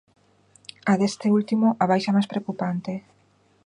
A deste último a baixa máis preocupante.